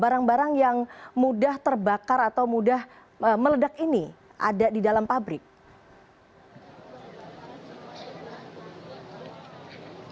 barang barang yang mudah terbakar atau mudah meledak ini ada di dalam pabrik